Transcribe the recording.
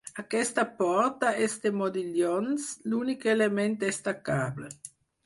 Aquesta porta és de modillons, l'únic element destacable.